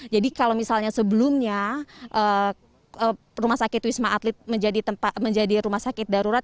jadi kalau misalnya sebelumnya rumah sakit wisma atlet menjadi rumah sakit darurat